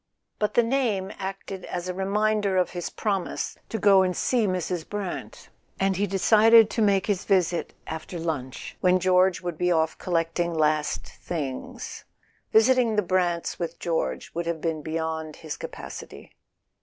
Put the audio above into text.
But the name acted as a reminder of his promise to go and see Mrs. Brant, and he decided to make his visit after lunch, when George would be off collecting last things. Visiting the Brants with George would have been beyond his capacity.